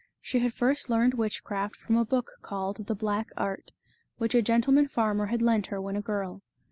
She had first learned witchcraft from a book called The Black Art, which a gentleman farmer had lent her when a girl.